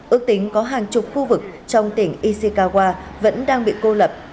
ước tính có hàng chục khu vực trong tỉnh ishikawa vẫn đang bị cô lập